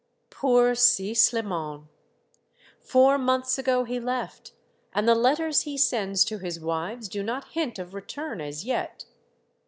Poor Si Sliman ! Four months ago he left, and the letters he sends to his wives do not hint of return as yet.